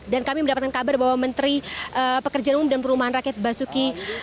dan kami mendapatkan kabar bahwa menteri pekerjaan umum dan perumahan rakyat basuki